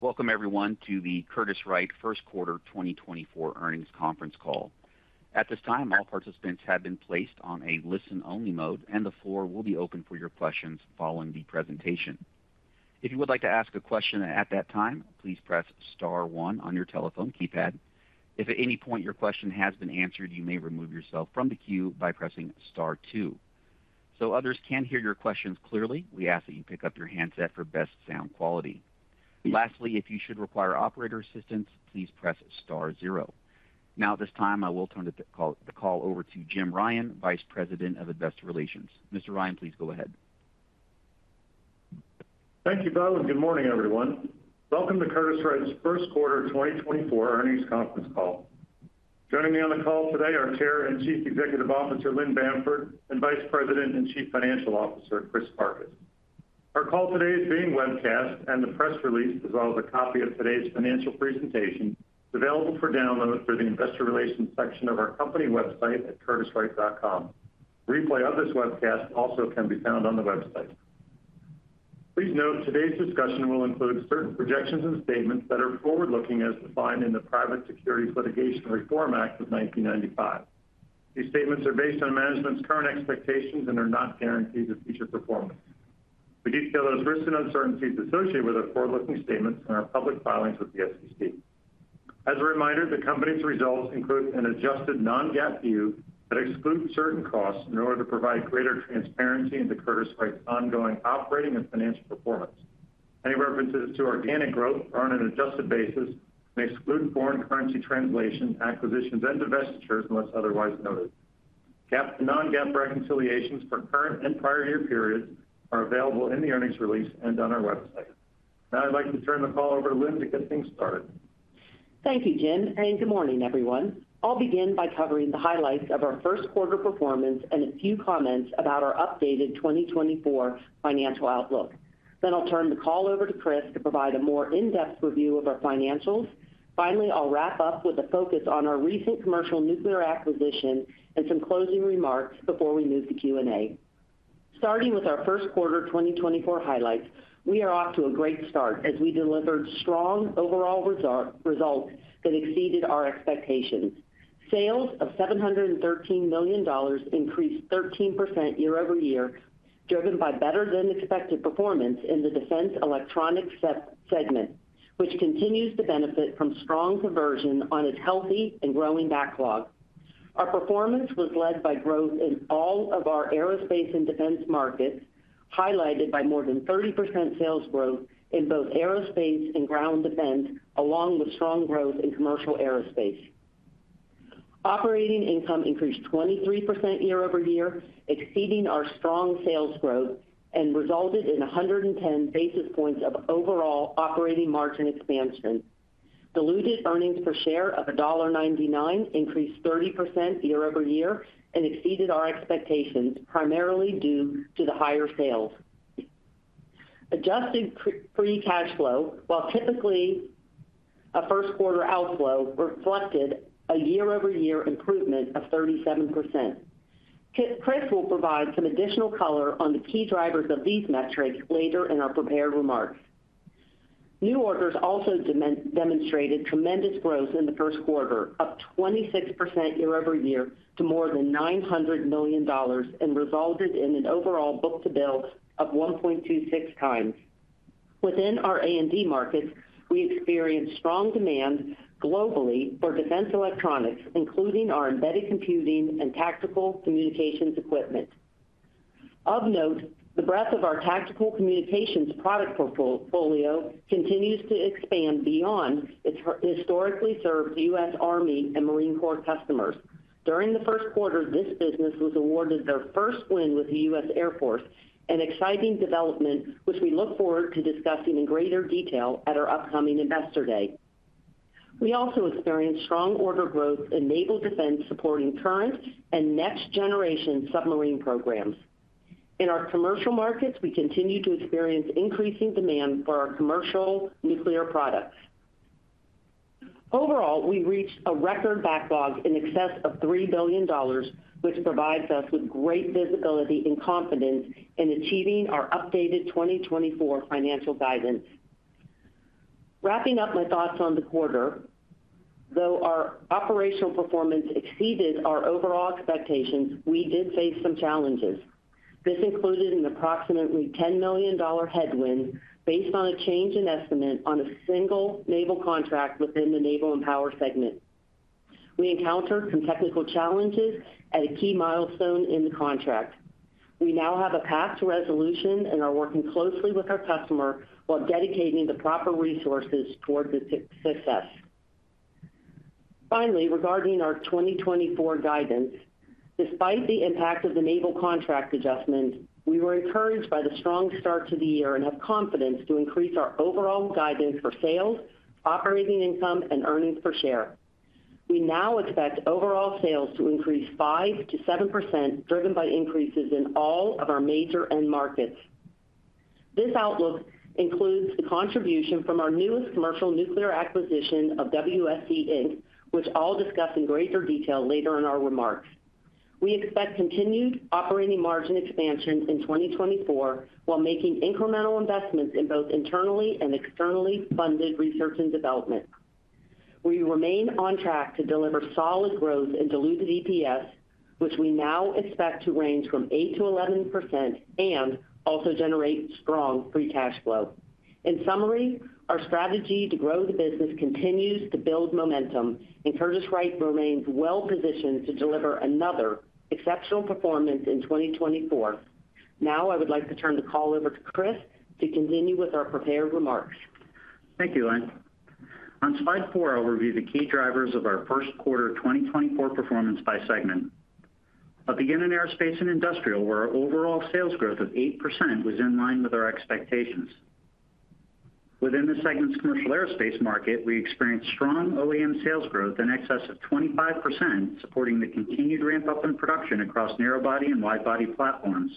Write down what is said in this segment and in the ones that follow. Welcome everyone to the Curtiss-Wright first quarter 2024 earnings conference call. At this time, all participants have been placed on a listen-only mode, and the floor will be open for your questions following the presentation. If you would like to ask a question at that time, please press star one on your telephone keypad. If at any point your question has been answered, you may remove yourself from the queue by pressing star two. So others can hear your questions clearly, we ask that you pick up your handset for best sound quality. Lastly, if you should require operator assistance, please press star zero. Now, at this time, I will turn the call over to Jim Ryan, Vice President of Investor Relations. Mr. Ryan, please go ahead. Thank you, Bill, and good morning, everyone. Welcome to Curtiss-Wright's first quarter 2024 earnings conference call. Joining me on the call today are Chair and Chief Executive Officer, Lynn Bamford, and Vice President and Chief Financial Officer, Chris Farkas. Our call today is being webcast, and the press release, as well as a copy of today's financial presentation, is available for download through the investor relations section of our company website at curtisswright.com. A replay of this webcast also can be found on the website. Please note, today's discussion will include certain projections and statements that are forward-looking, as defined in the Private Securities Litigation Reform Act of 1995. These statements are based on management's current expectations and are not guarantees of future performance. We detail those risks and uncertainties associated with our forward-looking statements in our public filings with the SEC. As a reminder, the company's results include an adjusted non-GAAP view that excludes certain costs in order to provide greater transparency into Curtiss-Wright's ongoing operating and financial performance. Any references to organic growth are on an adjusted basis and exclude foreign currency translation, acquisitions, and divestitures, unless otherwise noted. GAAP to non-GAAP reconciliations for current and prior year periods are available in the earnings release and on our website. Now I'd like to turn the call over to Lynn to get things started. Thank you, Jim, and good morning, everyone. I'll begin by covering the highlights of our first quarter performance and a few comments about our updated 2024 financial outlook. Then I'll turn the call over to Chris to provide a more in-depth review of our financials. Finally, I'll wrap up with a focus on our recent commercial nuclear acquisition and some closing remarks before we move to Q&A. Starting with our first quarter 2024 highlights, we are off to a great start as we delivered strong overall results that exceeded our expectations. Sales of $713 million increased 13% year-over-year, driven by better-than-expected performance in the defense electronics segment, which continues to benefit from strong conversion on its healthy and growing backlog. Our performance was led by growth in all of our aerospace and defense markets, highlighted by more than 30% sales growth in both aerospace and ground defense, along with strong growth in commercial aerospace. Operating income increased 23% year-over-year, exceeding our strong sales growth and resulted in 110 basis points of overall operating margin expansion. Diluted earnings per share of $1.99 increased 30% year-over-year and exceeded our expectations, primarily due to the higher sales. Adjusted free cash flow, while typically a first quarter outflow, reflected a year-over-year improvement of 37%. Chris will provide some additional color on the key drivers of these metrics later in our prepared remarks. New orders also demonstrated tremendous growth in the first quarter, up 26% year-over-year to more than $900 million and resulted in an overall book-to-bill of 1.26 times. Within our A and D markets, we experienced strong demand globally for defense electronics, including our embedded computing and tactical communications equipment. Of note, the breadth of our tactical communications product portfolio continues to expand beyond its historically served U.S. Army and Marine Corps customers. During the first quarter, this business was awarded their first win with the U.S. Air Force, an exciting development which we look forward to discussing in greater detail at our upcoming Investor Day. We also experienced strong order growth in naval defense, supporting current and next-generation submarine programs. In our commercial markets, we continue to experience increasing demand for our commercial nuclear products. Overall, we reached a record backlog in excess of $3 billion, which provides us with great visibility and confidence in achieving our updated 2024 financial guidance. Wrapping up my thoughts on the quarter, though our operational performance exceeded our overall expectations, we did face some challenges. This included an approximately $10 million headwind based on a change in estimate on a single naval contract within the naval and power segment. We encountered some technical challenges at a key milestone in the contract. We now have a path to resolution and are working closely with our customer while dedicating the proper resources toward the success. Finally, regarding our 2024 guidance, despite the impact of the naval contract adjustment, we were encouraged by the strong start to the year and have confidence to increase our overall guidance for sales, operating income, and earnings per share. We now expect overall sales to increase 5%-7%, driven by increases in all of our major end markets. This outlook includes the contribution from our newest commercial nuclear acquisition of WSC Inc., which I'll discuss in greater detail later in our remarks. We expect continued operating margin expansion in 2024, while making incremental investments in both internally and externally funded research and development. We remain on track to deliver solid growth in diluted EPS, which we now expect to range from 8%-11% and also generate strong free cash flow. In summary, our strategy to grow the business continues to build momentum, and Curtiss-Wright remains well-positioned to deliver another exceptional performance in 2024. Now, I would like to turn the call over to Chris to continue with our prepared remarks. Thank you, Lynn. On slide four, I'll review the key drivers of our first quarter 2024 performance by segment. I'll begin in aerospace and industrial, where our overall sales growth of 8% was in line with our expectations. Within the segment's commercial aerospace market, we experienced strong OEM sales growth in excess of 25%, supporting the continued ramp-up in production across narrow body and wide body platforms.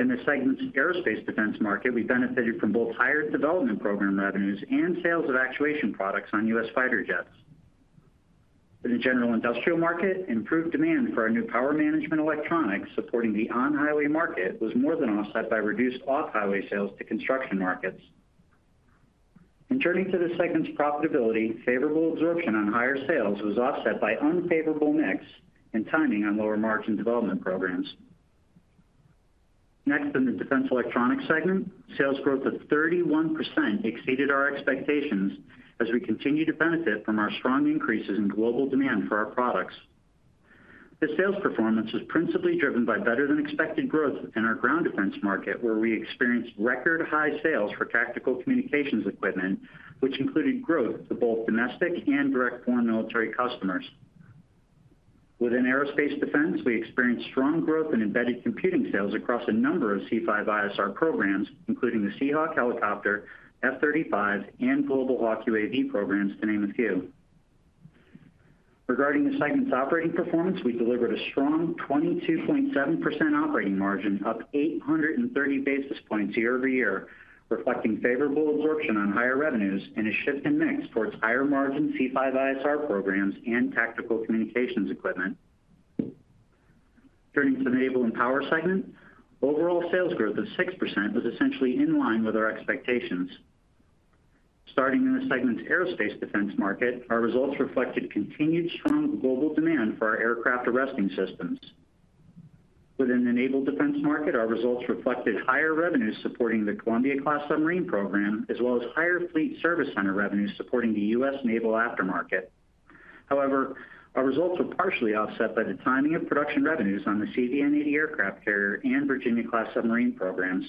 In the segment's aerospace defense market, we benefited from both higher development program revenues and sales of actuation products on U.S. fighter jets. In the general industrial market, improved demand for our new power management electronics supporting the on-highway market was more than offset by reduced off-highway sales to construction markets. And turning to the segment's profitability, favorable absorption on higher sales was offset by unfavorable mix and timing on lower margin development programs. Next, in the defense electronics segment, sales growth of 31% exceeded our expectations as we continue to benefit from our strong increases in global demand for our products. The sales performance was principally driven by better-than-expected growth in our ground defense market, where we experienced record-high sales for tactical communications equipment, which included growth to both domestic and direct foreign military customers. Within aerospace defense, we experienced strong growth in embedded computing sales across a number of C5ISR programs, including the Seahawk helicopter, F-35, and Global Hawk UAV programs, to name a few. Regarding the segment's operating performance, we delivered a strong 22.7% operating margin, up 830 basis points year over year, reflecting favorable absorption on higher revenues and a shift in mix towards higher-margin C5ISR programs and tactical communications equipment. Turning to the Naval and Power segment, overall sales growth of 6% was essentially in line with our expectations. Starting in the segment's Aerospace & Defense market, our results reflected continued strong global demand for our aircraft arresting systems. Within the Naval Defense market, our results reflected higher revenues supporting the Columbia-class submarine program, as well as higher fleet service center revenues supporting the U.S. Naval aftermarket. However, our results were partially offset by the timing of production revenues on the CVN-80 aircraft carrier and Virginia-class submarine programs.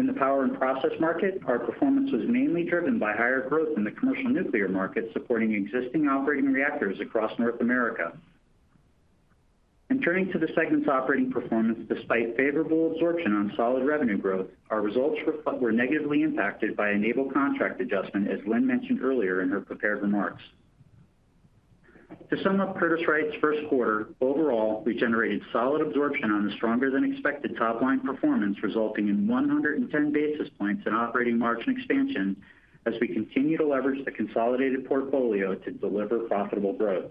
In the power and process market, our performance was mainly driven by higher growth in the commercial nuclear market, supporting existing operating reactors across North America. Turning to the segment's operating performance, despite favorable absorption on solid revenue growth, our results were negatively impacted by a naval contract adjustment, as Lynn mentioned earlier in her prepared remarks. To sum up Curtiss-Wright's first quarter, overall, we generated solid absorption on a stronger-than-expected top-line performance, resulting in 110 basis points in operating margin expansion as we continue to leverage the consolidated portfolio to deliver profitable growth.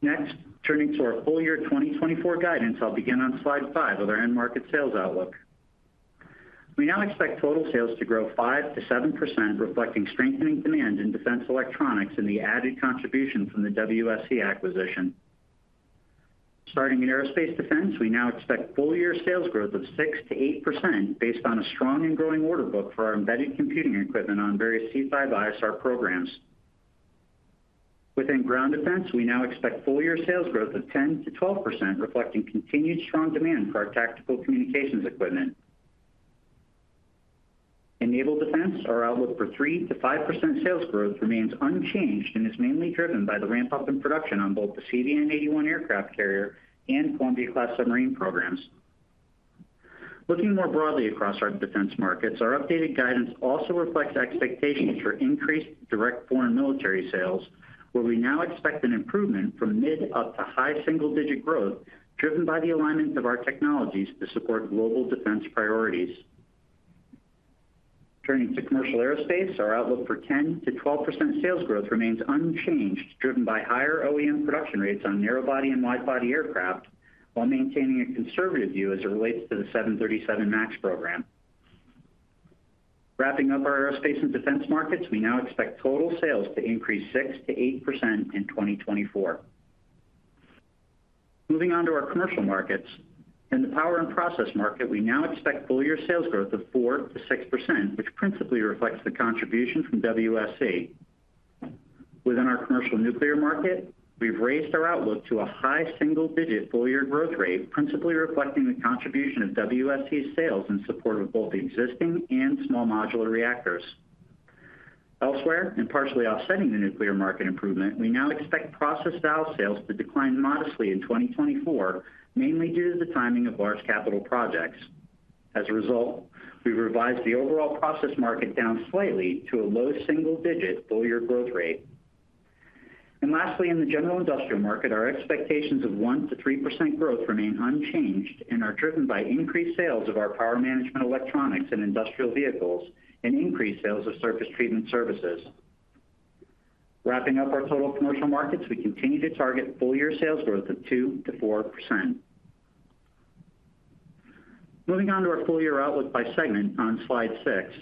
Next, turning to our full-year 2024 guidance, I'll begin on slide five with our end market sales outlook. We now expect total sales to grow 5%-7%, reflecting strengthening demand in defense electronics and the added contribution from the WSC acquisition. Starting in aerospace defense, we now expect full-year sales growth of 6%-8% based on a strong and growing order book for our embedded computing equipment on various C5ISR programs. Within ground defense, we now expect full-year sales growth of 10%-12%, reflecting continued strong demand for our tactical communications equipment. In naval defense, our outlook for 3%-5% sales growth remains unchanged and is mainly driven by the ramp-up in production on both the CVN-81 aircraft carrier and Columbia-class submarine programs. Looking more broadly across our defense markets, our updated guidance also reflects expectations for increased direct foreign military sales, where we now expect an improvement from mid up to high single-digit growth, driven by the alignment of our technologies to support global defense priorities. Turning to commercial aerospace, our outlook for 10%-12% sales growth remains unchanged, driven by higher OEM production rates on narrow body and wide body aircraft, while maintaining a conservative view as it relates to the 737 MAX program. Wrapping up our aerospace and defense markets, we now expect total sales to increase 6%-8% in 2024. Moving on to our commercial markets. In the power and process market, we now expect full-year sales growth of 4%-6%, which principally reflects the contribution from WSC. Within our commercial nuclear market, we've raised our outlook to a high single-digit full-year growth rate, principally reflecting the contribution of WSC's sales in support of both existing and small modular reactors. Elsewhere, and partially offsetting the nuclear market improvement, we now expect process valve sales to decline modestly in 2024, mainly due to the timing of large capital projects. As a result, we've revised the overall process market down slightly to a low single-digit full-year growth rate. And lastly, in the general industrial market, our expectations of 1%-3% growth remain unchanged and are driven by increased sales of our power management electronics in industrial vehicles and increased sales of surface treatment services. Wrapping up our total commercial markets, we continue to target full-year sales growth of 2%-4%.... Moving on to our full year outlook by segment on slide six.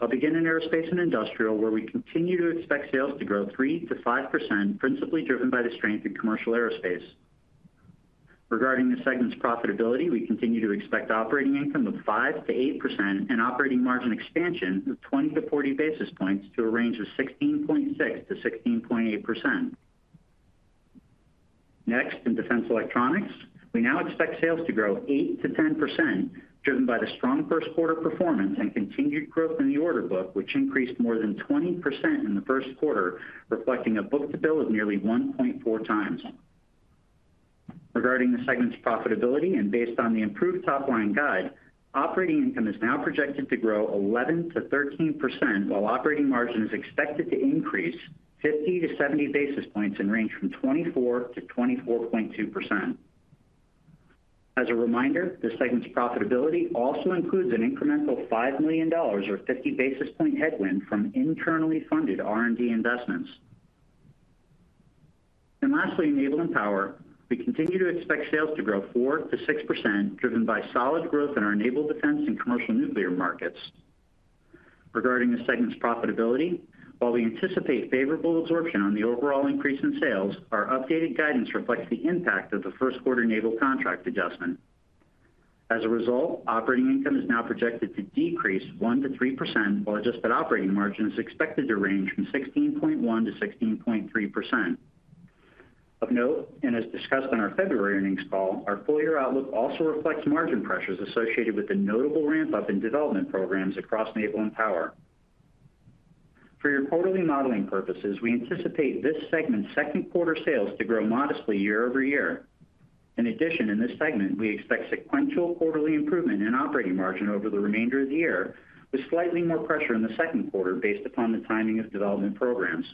I'll begin in Aerospace and Industrial, where we continue to expect sales to grow 3%-5%, principally driven by the strength in commercial aerospace. Regarding the segment's profitability, we continue to expect operating income of 5%-8% and operating margin expansion of 20-40 basis points to a range of 16.6%-16.8%. Next, in Defense Electronics, we now expect sales to grow 8%-10%, driven by the strong first quarter performance and continued growth in the order book, which increased more than 20% in the first quarter, reflecting a book-to-bill of nearly 1.4 times. Regarding the segment's profitability, and based on the improved top-line guide, operating income is now projected to grow 11%-13%, while operating margin is expected to increase 50-70 basis points and range from 24%-24.2%. As a reminder, this segment's profitability also includes an incremental $5 million or 50 basis point headwind from internally funded R&D investments. Lastly, in Naval and Power, we continue to expect sales to grow 4%-6%, driven by solid growth in our naval defense and commercial nuclear markets. Regarding the segment's profitability, while we anticipate favorable absorption on the overall increase in sales, our updated guidance reflects the impact of the first quarter naval contract adjustment. As a result, operating income is now projected to decrease 1%-3%, while adjusted operating margin is expected to range from 16.1%-16.3%. Of note, and as discussed on our February earnings call, our full-year outlook also reflects margin pressures associated with the notable ramp-up in development programs across Naval and Power. For your quarterly modeling purposes, we anticipate this segment's second quarter sales to grow modestly year-over-year. In addition, in this segment, we expect sequential quarterly improvement in operating margin over the remainder of the year, with slightly more pressure in the second quarter based upon the timing of development programs.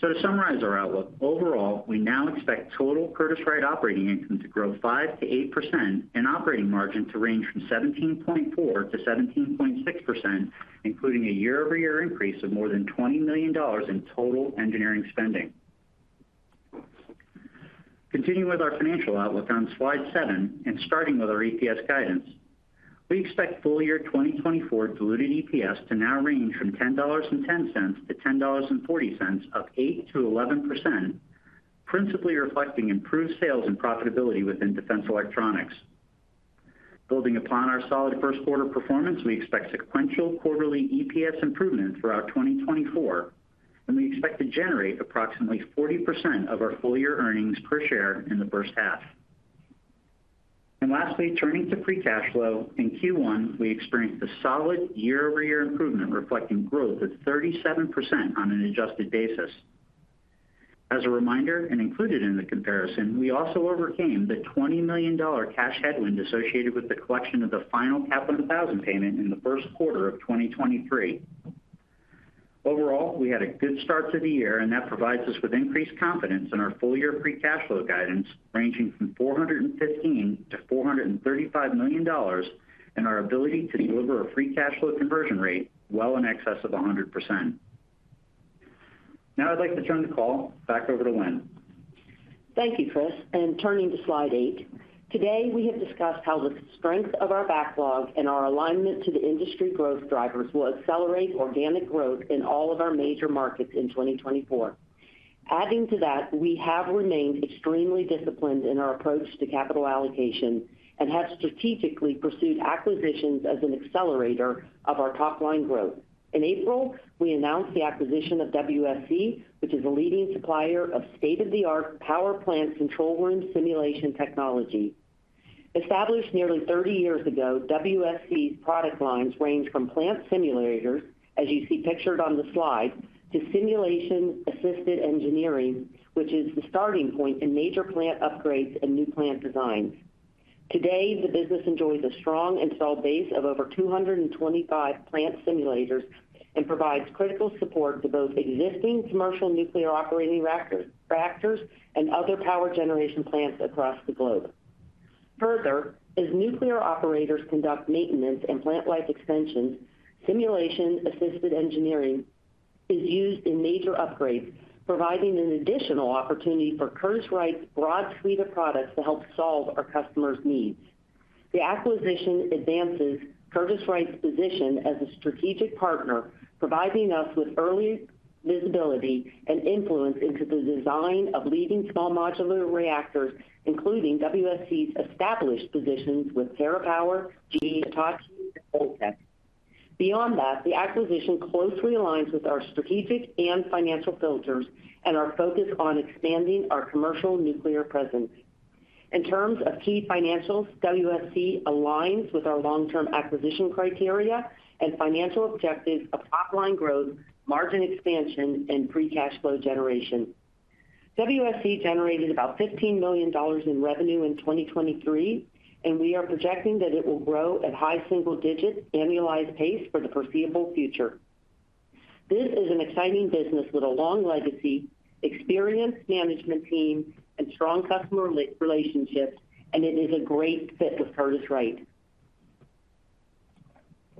So to summarize our outlook, overall, we now expect total Curtiss-Wright operating income to grow 5%-8% and operating margin to range from 17.4%-17.6%, including a year-over-year increase of more than $20 million in total engineering spending. Continuing with our financial outlook on slide 7, and starting with our EPS guidance. We expect full year 2024 diluted EPS to now range from $10.10-$10.40, up 8%-11%, principally reflecting improved sales and profitability within Defense Electronics. Building upon our solid first quarter performance, we expect sequential quarterly EPS improvement throughout 2024, and we expect to generate approximately 40% of our full-year earnings per share in the first half. Lastly, turning to free cash flow, in Q1, we experienced a solid year-over-year improvement, reflecting growth of 37% on an adjusted basis. As a reminder, and included in the comparison, we also overcame the $20 million cash headwind associated with the collection of the final capital 1,000 payment in the first quarter of 2023. Overall, we had a good start to the year, and that provides us with increased confidence in our full-year free cash flow guidance, ranging from $415 million-$435 million, and our ability to deliver a free cash flow conversion rate well in excess of 100%. Now, I'd like to turn the call back over to Lynn. Thank you, Chris, and turning to slide 8. Today, we have discussed how the strength of our backlog and our alignment to the industry growth drivers will accelerate organic growth in all of our major markets in 2024. Adding to that, we have remained extremely disciplined in our approach to capital allocation and have strategically pursued acquisitions as an accelerator of our top-line growth. In April, we announced the acquisition of WSC, which is a leading supplier of state-of-the-art power plant control room simulation technology. Established nearly 30 years ago, WSC's product lines range from plant simulators, as you see pictured on the slide, to simulation-assisted engineering, which is the starting point in major plant upgrades and new plant designs. Today, the business enjoys a strong installed base of over 225 plant simulators and provides critical support to both existing commercial nuclear operating reactors, retrofits, and other power generation plants across the globe. Further, as nuclear operators conduct maintenance and plant life extensions, simulation-assisted engineering is used in major upgrades, providing an additional opportunity for Curtiss-Wright's broad suite of products to help solve our customers' needs. The acquisition advances Curtiss-Wright's position as a strategic partner, providing us with early visibility and influence into the design of leading small modular reactors, including WSC's established positions with TerraPower, GE Hitachi, and X-energy. Beyond that, the acquisition closely aligns with our strategic and financial filters and our focus on expanding our commercial nuclear presence. In terms of key financials, WSC aligns with our long-term acquisition criteria and financial objectives of top-line growth, margin expansion, and free cash flow generation. WSC generated about $15 million in revenue in 2023, and we are projecting that it will grow at high single digits, annualized pace for the foreseeable future. This is an exciting business with a long legacy, experienced management team, and strong customer relationships, and it is a great fit with Curtiss-Wright.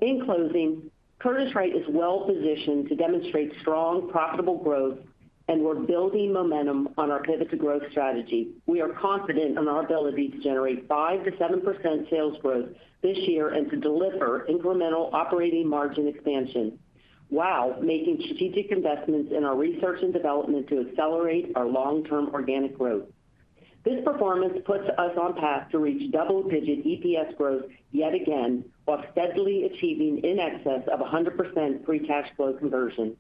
In closing, Curtiss-Wright is well positioned to demonstrate strong, profitable growth, and we're building momentum on our Pivot to Growth strategy. We are confident in our ability to generate 5%-7% sales growth this year, and to deliver incremental operating margin expansion, while making strategic investments in our research and development to accelerate our long-term organic growth. This performance puts us on path to reach double-digit EPS growth yet again, while steadily achieving in excess of 100% free cash flow conversion.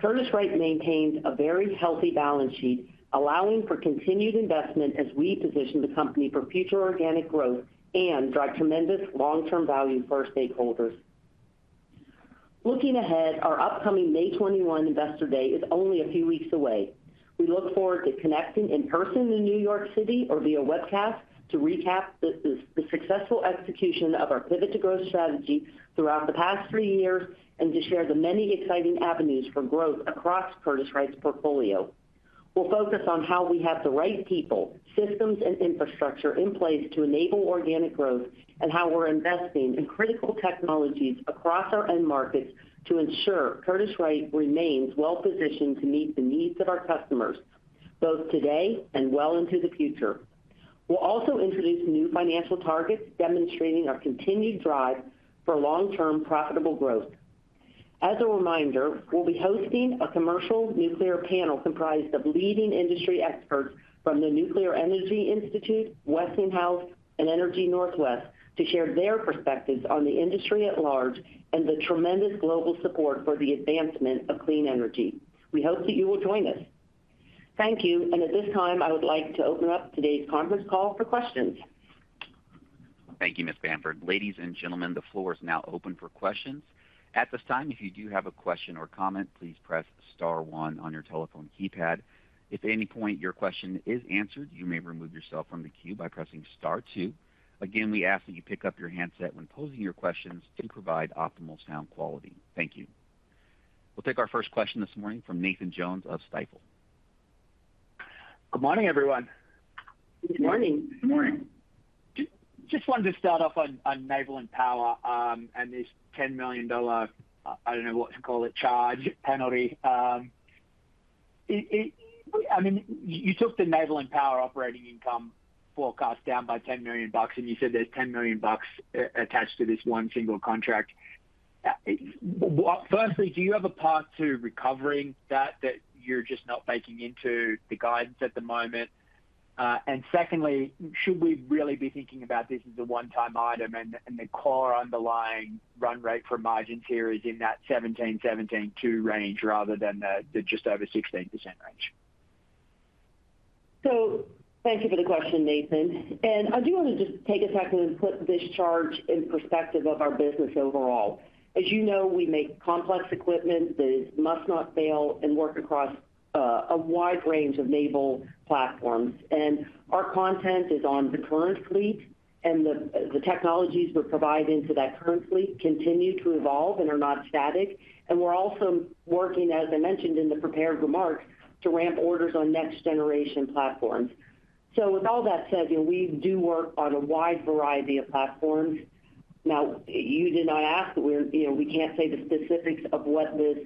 Curtiss-Wright maintains a very healthy balance sheet, allowing for continued investment as we position the company for future organic growth and drive tremendous long-term value for our stakeholders. Looking ahead, our upcoming May 21 Investor Day is only a few weeks away. We look forward to connecting in person in New York City or via webcast, to recap the successful execution of our Pivot to Growth strategy throughout the past three years, and to share the many exciting avenues for growth across Curtiss-Wright's portfolio. We'll focus on how we have the right people, systems, and infrastructure in place to enable organic growth, and how we're investing in critical technologies across our end markets to ensure Curtiss-Wright remains well-positioned to meet the needs of our customers, both today and well into the future. We'll also introduce new financial targets, demonstrating our continued drive for long-term profitable growth. As a reminder, we'll be hosting a commercial nuclear panel comprised of leading industry experts from the Nuclear Energy Institute, Westinghouse, and Energy Northwest, to share their perspectives on the industry at large and the tremendous global support for the advancement of clean energy. We hope that you will join us. Thank you, and at this time, I would like to open up today's conference call for questions. Thank you, Ms. Bamford. Ladies and gentlemen, the floor is now open for questions. At this time, if you do have a question or comment, please press star one on your telephone keypad. If at any point your question is answered, you may remove yourself from the queue by pressing star two. Again, we ask that you pick up your handset when posing your questions to provide optimal sound quality. Thank you. We'll take our first question this morning from Nathan Jones of Stifel. Good morning, everyone. Good morning. Good morning. Just wanted to start off on Naval and Power, and this $10 million, I don't know what to call it, charge, penalty. I mean, you took the Naval and Power operating income forecast down by $10 million, and you said there's $10 million attached to this one single contract. Firstly, do you have a path to recovering that that you're just not baking into the guidance at the moment? And secondly, should we really be thinking about this as a one-time item, and the core underlying run rate for margins here is in that 17-17.2 range rather than the just over 16% range? So thank you for the question, Nathan. I do want to just take a second and put this charge in perspective of our business overall. As you know, we make complex equipment that must not fail and work across a wide range of naval platforms. Our content is on the current fleet, and the technologies we're providing to that current fleet continue to evolve and are not static. We're also working, as I mentioned in the prepared remarks, to ramp orders on next generation platforms. So with all that said, you know, we do work on a wide variety of platforms. Now, you did not ask, we're, you know, we can't say the specifics of what this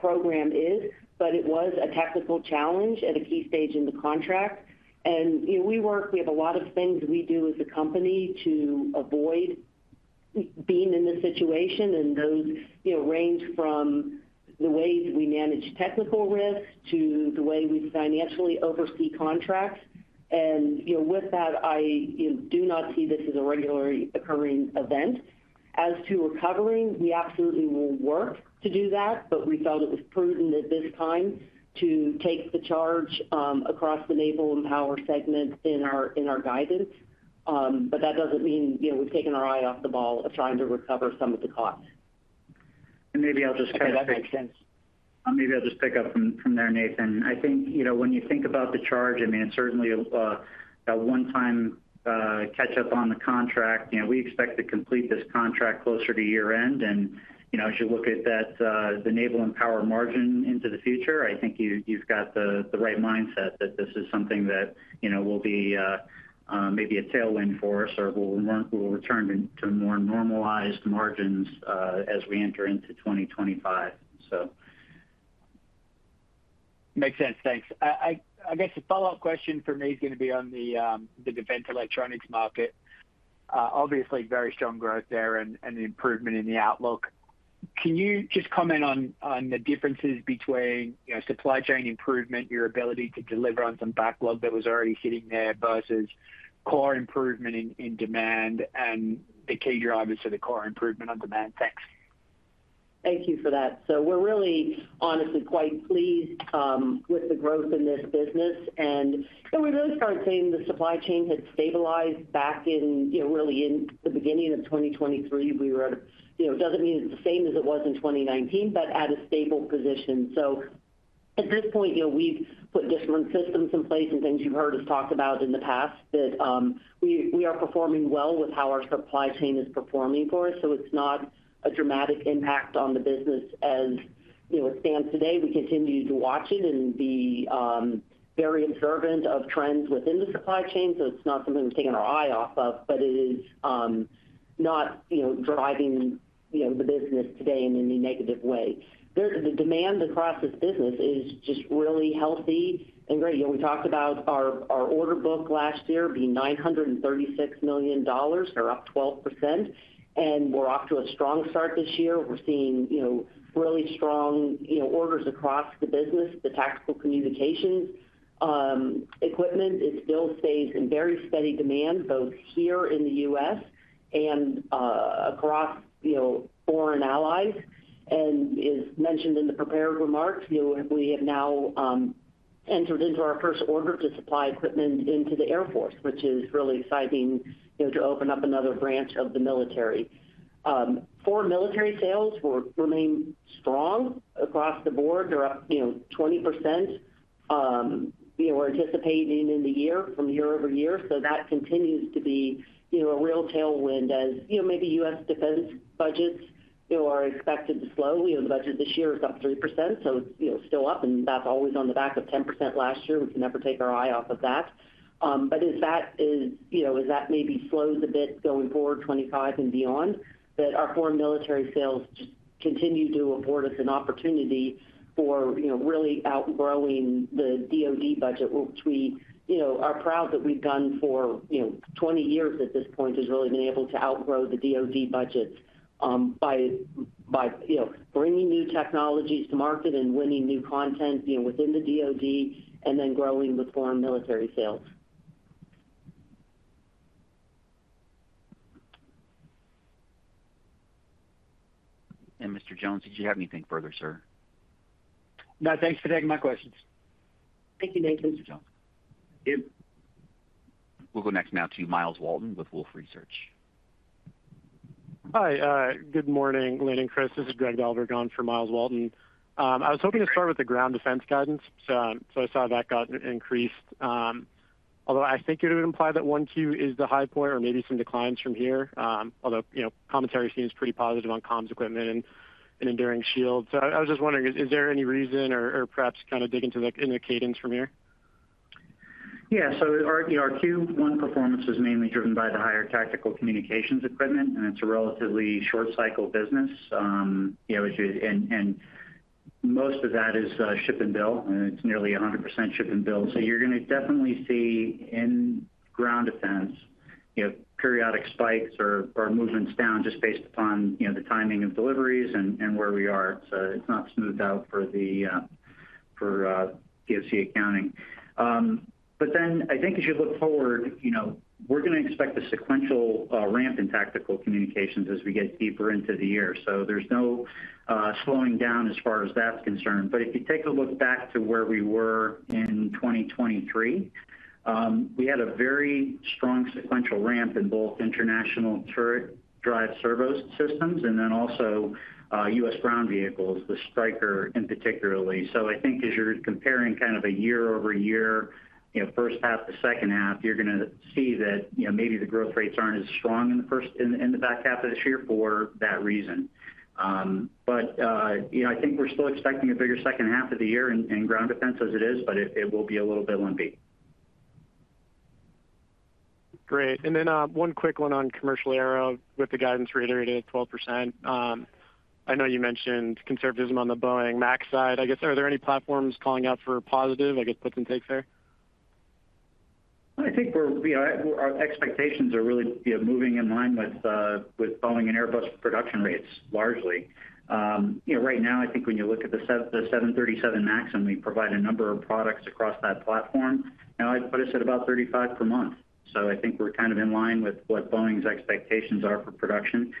program is, but it was a technical challenge at a key stage in the contract. And, you know, we work—we have a lot of things we do as a company to avoid being in this situation, and those, you know, range from the way we manage technical risk to the way we financially oversee contracts. And, you know, with that, I, you know, do not see this as a regularly occurring event. As to recovering, we absolutely will work to do that, but we felt it was prudent at this time to take the charge across the Naval and Power segment in our guidance. But that doesn't mean, you know, we've taken our eye off the ball of trying to recover some of the costs. Maybe I'll just kind of- If that makes sense. Maybe I'll just pick up from there, Nathan. I think, you know, when you think about the charge, I mean, it's certainly a one-time catch up on the contract. You know, we expect to complete this contract closer to year-end. And, you know, as you look at that, the Naval and Power margin into the future, I think you've got the right mindset, that this is something that, you know, will be maybe a tailwind for us or we'll return to more normalized margins, as we enter into 2025, so... Makes sense. Thanks. I guess a follow-up question for me is gonna be on the defense electronics market. Obviously, very strong growth there and improvement in the outlook. Can you just comment on the differences between, you know, supply chain improvement, your ability to deliver on some backlog that was already sitting there versus core improvement in demand, and the key drivers to the core improvement on demand? Thanks. Thank you for that. So we're really honestly quite pleased with the growth in this business. And, you know, we really started seeing the supply chain had stabilized back in, you know, really in the beginning of 2023. We were at a stable position. You know, it doesn't mean it's the same as it was in 2019, but at a stable position. So at this point, you know, we've put different systems in place and things you've heard us talk about in the past, that we are performing well with how our supply chain is performing for us. So it's not a dramatic impact on the business as, you know, it stands today. We continue to watch it and be very observant of trends within the supply chain, so it's not something we've taken our eye off of, but it is not, you know, driving, you know, the business today in any negative way. The demand across this business is just really healthy and great. You know, we talked about our order book last year being $936 million or up 12%, and we're off to a strong start this year. We're seeing, you know, really strong, you know, orders across the business. The tactical communications equipment, it still stays in very steady demand, both here in the US and across, you know, foreign allies. As mentioned in the prepared remarks, you know, we have now entered into our first order to supply equipment into the Air Force, which is really exciting, you know, to open up another branch of the military. Foreign military sales remain strong across the board. They're up, you know, 20%, you know, we're anticipating in the year from year-over-year. So that continues to be, you know, a real tailwind as, you know, maybe U.S. defense budgets, you know, are expected to slow. We know the budget this year is up 3%, so, you know, still up, and that's always on the back of 10% last year. We can never take our eye off of that. But as that is, you know, as that maybe slows a bit going forward, 25 and beyond, that our foreign military sales just continue to afford us an opportunity for, you know, really outgrowing the DoD budget, which we, you know, are proud that we've done for, you know, 20 years at this point, is really been able to outgrow the DoD budget, by, by, you know, bringing new technologies to market and winning new content, you know, within the DoD, and then growing the foreign military sales. Mr. Jones, did you have anything further, sir? No, thanks for taking my questions. Thank you, Nathan. Thank you, Mr. Jones. Yep. We'll go next now to Miles Walton with Wolfe Research. Hi, good morning, Lynn and Chris. This is Greg Dahlberg, in for Miles Walton. I was hoping to start with the ground defense guidance. So, I saw that got increased, although I think it would imply that 1Q is the high point or maybe some declines from here, although, you know, commentary seems pretty positive on comms equipment and Enduring Shield. So I was just wondering, is there any reason or perhaps kind of dig into the cadence from here? Yeah. So our Q1 performance was mainly driven by the higher tactical communications equipment, and it's a relatively short cycle business. You know, and most of that is ship and bill, and it's nearly 100% ship and bill. So you're gonna definitely see in ground defense, you know, periodic spikes or movements down just based upon, you know, the timing of deliveries and where we are. So it's not smoothed out for the GAAP accounting. But then I think as you look forward, you know, we're gonna expect a sequential ramp in tactical communications as we get deeper into the year. So there's no slowing down as far as that's concerned. But if you take a look back to where we were in 2023, we had a very strong sequential ramp in both international turret drive servo systems, and then also, U.S. ground vehicles, the Stryker in particular. So I think as you're comparing kind of a year-over-year, you know, first half to second half, you're gonna see that, you know, maybe the growth rates aren't as strong in the back half of this year for that reason. But, you know, I think we're still expecting a bigger second half of the year in ground defense as it is, but it will be a little bit lumpy. Great. And then, one quick one on commercial aero with the guidance reiterated at 12%. I know you mentioned conservatism on the Boeing MAX side. I guess, are there any platforms calling out for positive, I guess, puts and takes there? I think we're, you know, our expectations are really, you know, moving in line with, with Boeing and Airbus production rates, largely. You know, right now, I think when you look at the 737 MAX, and we provide a number of products across that platform, now I'd put us at about 35 per month. So I think we're kind of in line with what Boeing's expectations are for production.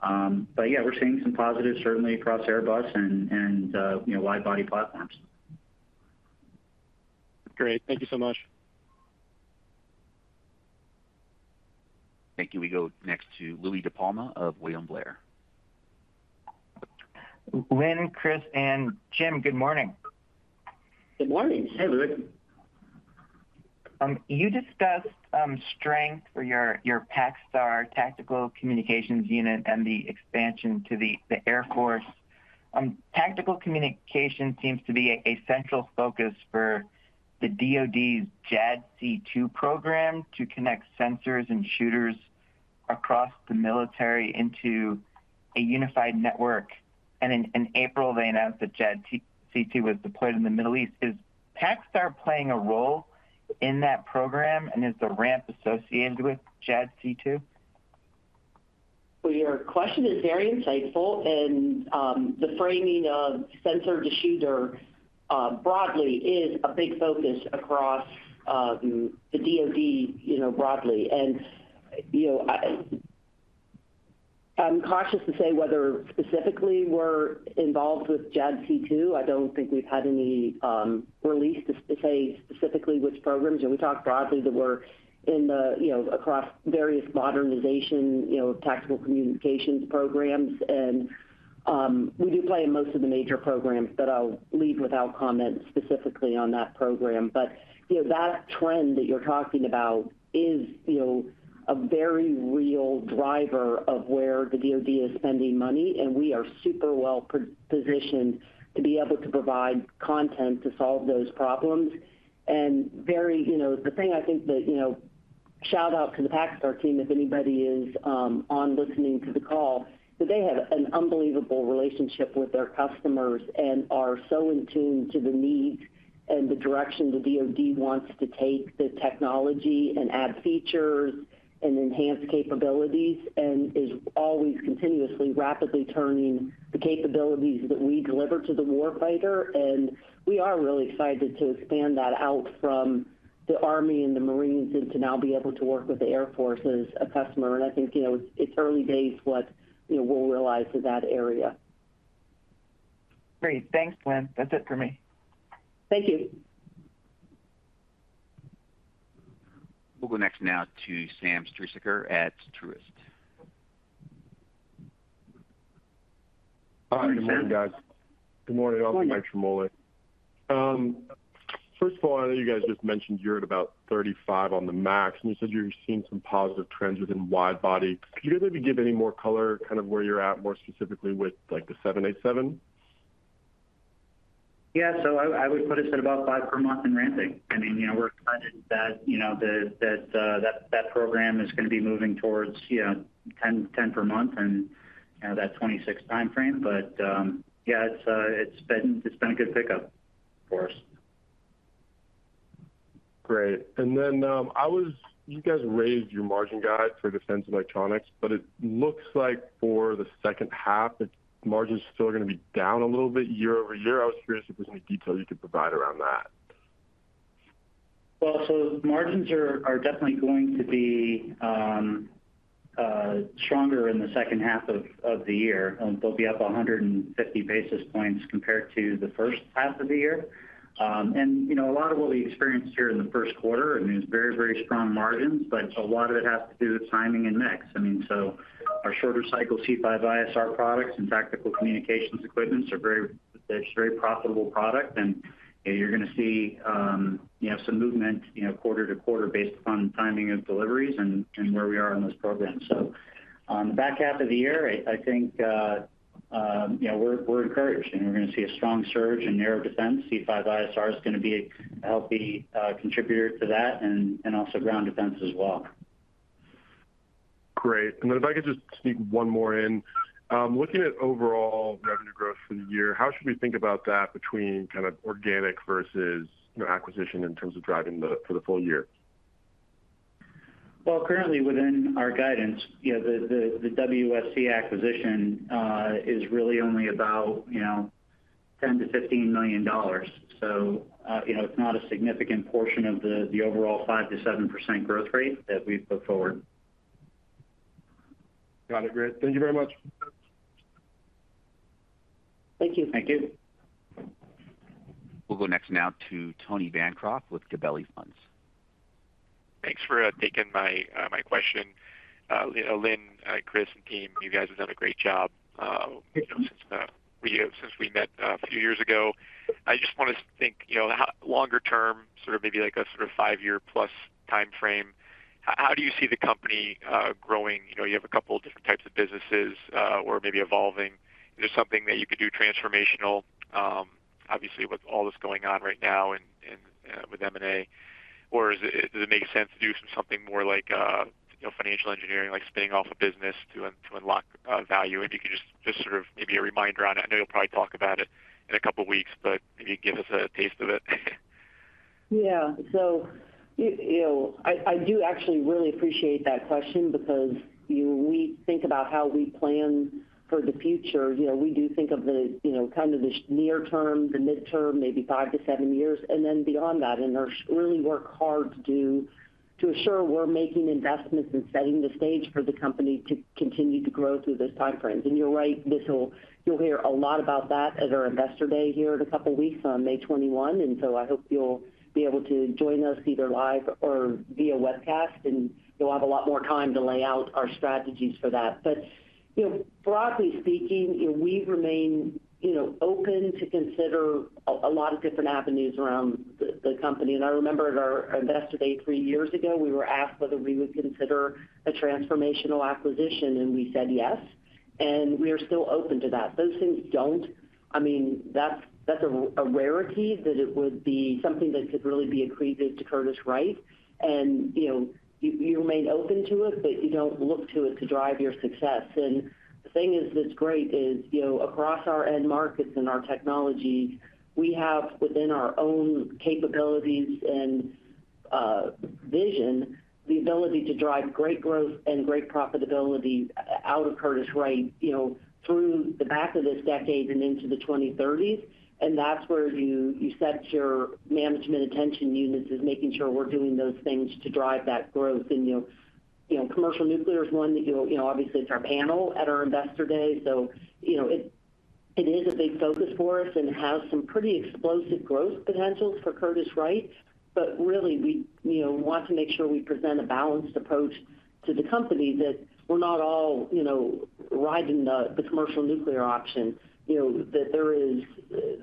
But yeah, we're seeing some positives certainly across Airbus and, and, you know, wide-body platforms. Great. Thank you so much. Thank you. We go next to Louie DePalma of William Blair. Lynn, Chris, and Jim, good morning. Good morning. Hey, Louis. You discussed strength for your PacStar Tactical Communications Unit and the expansion to the Air Force. Tactical communication seems to be a central focus for the DoD's JADC2 program to connect sensors and shooters across the military into a unified network. In April, they announced that JADC2 was deployed in the Middle East. Is PacStar playing a role in that program, and is the ramp associated with JADC2? Well, your question is very insightful, and, the framing of sensor to shooter, broadly is a big focus across, the DoD, you know, broadly. And, you know, I'm cautious to say whether specifically we're involved with JADC2. I don't think we've had any, release to say specifically which programs, and we talked broadly that we're in the, you know, across various modernization, you know, tactical communications programs. And, we do play in most of the major programs, but I'll leave without comment specifically on that program. But, you know, that trend that you're talking about is, you know, a very real driver of where the DoD is spending money, and we are super well positioned to be able to provide content to solve those problems. And very, you know, the thing I think that, you know, shout out to the PacStar team, if anybody is on listening to the call, that they have an unbelievable relationship with their customers and are so in tune to the needs and the direction the DoD wants to take the technology and add features and enhance capabilities, and is always continuously, rapidly turning the capabilities that we deliver to the war fighter. And we are really excited to expand that out from the Army and the Marines, and to now be able to work with the Air Force as a customer. And I think, you know, it's, it's early days what, you know, we'll realize in that area. Great. Thanks, Lynn. That's it for me. Thank you. We'll go next now to Sam Struzik at Truist. Hi, good morning, guys. Good morning. Good morning, Mike Ciarmoli. First of all, I know you guys just mentioned you're at about 35 on the MAX, and you said you're seeing some positive trends within wide-body. Could you maybe give any more color, kind of where you're at, more specifically with, like, the 787? Yeah, so I would put us at about five per month in ramping. I mean, you know, we're excited that, you know, that program is gonna be moving towards, you know, 10 per month and, you know, that 2026 timeframe. But, yeah, it's been a good pickup for us. Great. And then, you guys raised your margin guide for defense electronics, but it looks like for the second half, its margin is still gonna be down a little bit year-over-year. I was curious if there's any detail you could provide around that. Well, so margins are definitely going to be stronger in the second half of the year. They'll be up 150 basis points compared to the first half of the year. And, you know, a lot of what we experienced here in the first quarter, I mean, it's very, very strong margins, but a lot of it has to do with timing and mix. I mean, so our shorter cycle C5ISR products and tactical communications equipment are very profitable product. And, you're gonna see, you know, some movement, you know, quarter to quarter based upon timing of deliveries and where we are in this program. So on the back half of the year, I think, you know, we're encouraged, and we're gonna see a strong surge in naval defense. C5ISR is gonna be a healthy contributor to that, and, and also ground defense as well. Great. Then if I could just sneak one more in. Looking at overall revenue growth for the year, how should we think about that between kind of organic versus, you know, acquisition in terms of driving for the full year? Well, currently within our guidance, you know, the WSC acquisition is really only about, you know, $10 million-$15 million. So, you know, it's not a significant portion of the overall 5%-7% growth rate that we've put forward. Got it. Great. Thank you very much. Thank you. Thank you. We'll go next now to Tony Bancroft with Gabelli Funds. Thanks for taking my question. Lynn, Chris, and team, you guys have done a great job, you know, since we met a few years ago. I just want to thank, you know. How longer term, sort of maybe like a sort of five-year-plus timeframe, how do you see the company growing? You know, you have a couple of different types of businesses, or maybe evolving. Is there something that you could do transformational, obviously, with all that's going on right now and with M&A? Or does it make sense to do something more like, you know, financial engineering, like spinning off a business to unlock value? If you could just sort of maybe a reminder on it. I know you'll probably talk about it in a couple of weeks, but maybe give us a taste of it. Yeah. So, you know, I do actually really appreciate that question because, when we think about how we plan for the future, you know, we do think of the, you know, kind of the near term, the midterm, maybe five to seven years, and then beyond that. And we're really work hard to ensure we're making investments and setting the stage for the company to continue to grow through those time frames. And you're right, this will... You'll hear a lot about that at our Investor Day here in a couple weeks on May 21, and so I hope you'll be able to join us either live or via webcast, and you'll have a lot more time to lay out our strategies for that. But, you know, broadly speaking, we remain, you know, open to consider a lot of different avenues around the company. And I remember at our Investor Day three years ago, we were asked whether we would consider a transformational acquisition, and we said yes, and we are still open to that. Those things don't. I mean, that's a rarity, that it would be something that could really be accretive to Curtiss-Wright. And, you know, you remain open to it, but you don't look to it to drive your success. And the thing is, that's great, you know, across our end markets and our technologies, we have, within our own capabilities and vision, the ability to drive great growth and great profitability out of Curtiss-Wright, you know, through the back of this decade and into the twenty-thirties. And that's where you set your management attention units, is making sure we're doing those things to drive that growth. And, you know, commercial nuclear is one that, you know, obviously, it's our panel at our Investor Day, so, you know, it. It is a big focus for us, and has some pretty explosive growth potentials for Curtiss-Wright. But really, we, you know, want to make sure we present a balanced approach to the company, that we're not all, you know, riding the commercial nuclear option. You know, that there is,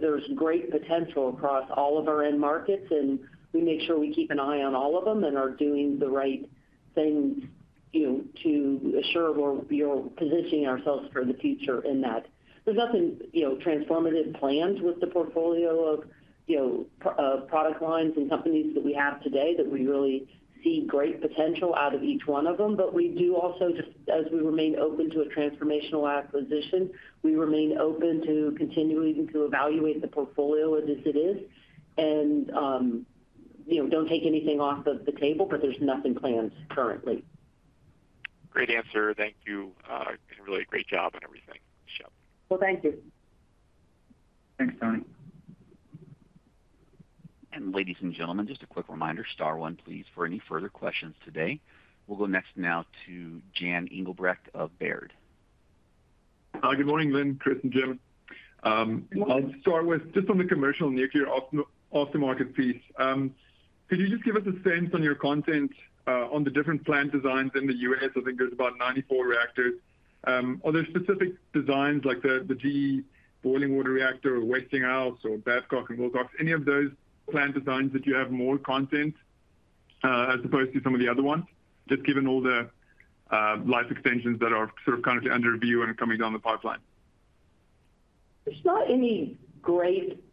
there's great potential across all of our end markets, and we make sure we keep an eye on all of them, and are doing the right things, you know, to assure we're positioning ourselves for the future in that. There's nothing, you know, transformative planned with the portfolio of, you know, product lines and companies that we have today, that we really see great potential out of each one of them. But we do also, just as we remain open to a transformational acquisition, we remain open to continuing to evaluate the portfolio as it is, and, you know, don't take anything off of the table, but there's nothing planned currently. Great answer. Thank you, doing a really great job on everything, ciao. Well, thank you. Thanks, Tony. Ladies and gentlemen, just a quick reminder, star one, please, for any further questions today. We'll go next now to Jan Engelbrecht of Baird. Hi, good morning, Lynn, Chris, and Jim. I'll start with just on the commercial nuclear aftermarket piece. Could you just give us a sense on your content on the different plant designs in the U.S.? I think there's about 94 reactors. Are there specific designs like the, the GE boiling water reactor, or Westinghouse, or Babcock & Wilcox, any of those plant designs that you have more content as opposed to some of the other ones, just given all the life extensions that are sort of currently under review and coming down the pipeline? There's not any great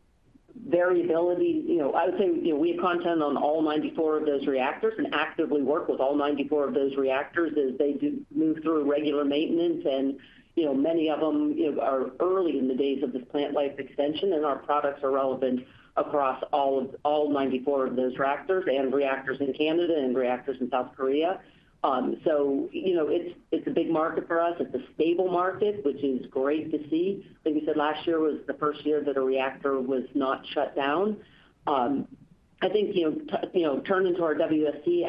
variability. You know, I would say, you know, we have content on all 94 of those reactors, and actively work with all 94 of those reactors as they do move through regular maintenance. You know, many of them, you know, are early in the days of this plant life extension, and our products are relevant across all 94 of those reactors, and reactors in Canada, and reactors in South Korea. So you know, it's, it's a big market for us. It's a stable market, which is great to see. Like we said, last year was the first year that a reactor was not shut down. I think, you know, turning to our WSC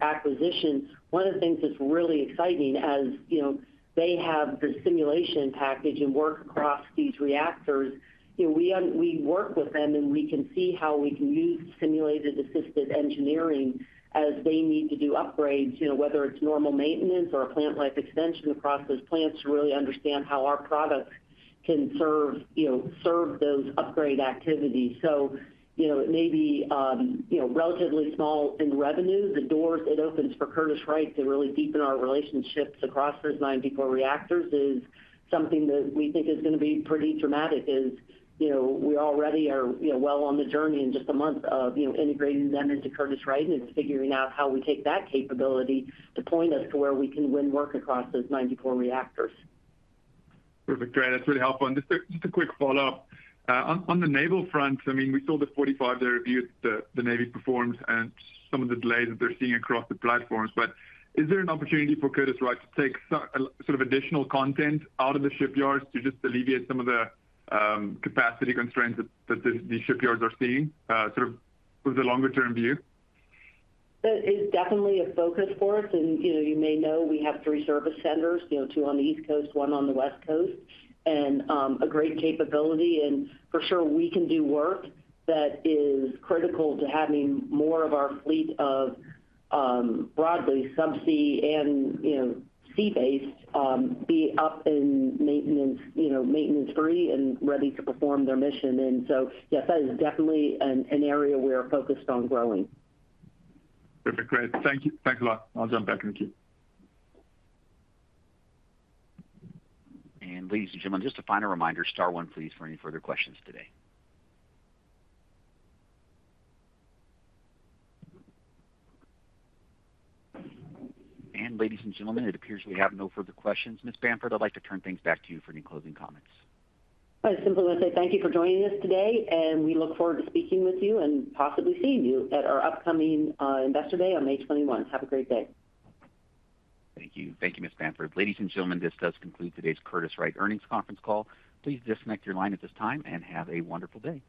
acquisition, one of the things that's really exciting, as you know, they have the simulation package and work across these reactors. You know, we work with them, and we can see how we can use simulation assisted engineering as they need to do upgrades, you know, whether it's normal maintenance or a plant life extension, across those plants, to really understand how our products can serve, you know, serve those upgrade activities. So you know, it may be, you know, relatively small in revenue, the doors it opens for Curtiss-Wright to really deepen our relationships across those 94 reactors is something that we think is going to be pretty dramatic, you know, we already are, you know, well on the journey in just a month of, you know, integrating them into Curtiss-Wright and figuring out how we take that capability to point us to where we can win work across those 94 reactors. Perfect. Great, that's really helpful. And just a quick follow-up. On the naval front, I mean, we saw the 45-day review that the Navy performed, and some of the delays that they're seeing across the platforms. But is there an opportunity for Curtiss-Wright to take sort of additional content out of the shipyards to just alleviate some of the capacity constraints that the shipyards are seeing, sort of with the longer-term view? That is definitely a focus for us. And, you know, you may know, we have three service centers, you know, two on the East Coast, one on the West Coast, and a great capability. And for sure, we can do work that is critical to having more of our fleet of, broadly subsea and, you know, sea-based, be up in maintenance, you know, maintenance-free and ready to perform their mission. And so yes, that is definitely an area we are focused on growing. Perfect. Great. Thank you. Thanks a lot. I'll jump back in the queue. And ladies and gentlemen, just a final reminder, star one, please, for any further questions today. And ladies and gentlemen, it appears we have no further questions. Ms. Bamford, I'd like to turn things back to you for any closing comments. I simply want to say thank you for joining us today, and we look forward to speaking with you and possibly seeing you at our upcoming Investor Day on May 21. Have a great day. Thank you. Thank you, Ms. Bamford. Ladies and gentlemen, this does conclude today's Curtiss-Wright earnings conference call. Please disconnect your line at this time, and have a wonderful day.